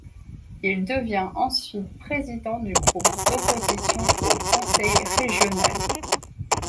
Il devient ensuite président du groupe d'opposition au conseil régional.